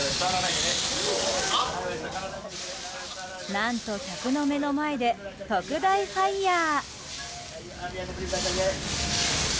何と、客の目の前で特大ファイヤー！